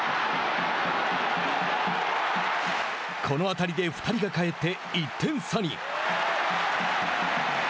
この当たりで２人が帰って１点差に。